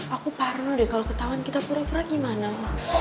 aku parno deh kalau ketahuan kita pura pura gimana